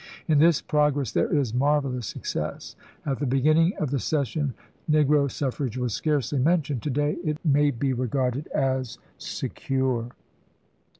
In this progress there is marvelous success. At the beginning of the session negro suffrage was scarcely mentioned. To day it may be regarded as secure."